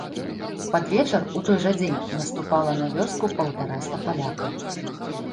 Пад вечар у той жа дзень наступала на вёску паўтараста палякаў.